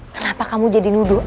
kenapa kamu jadi nuduh